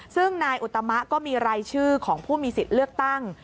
ซึ่งนายอุตมะก็มีรายชื่อของผู้มีสิทธิ์เลือกตั้ง